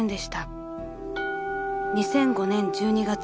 ［２００５年１２月］